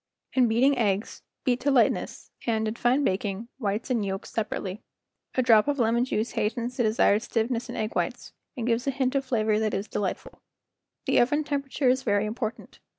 In beating eggs, beat to lightness, and, in fine baking, whites and yolks separately. A drop of lemon juice hastens the desired stiffness in egg whites, and gives hint of flavor that is delightful. IO The Making of BISCUITS The oven temperature is very important.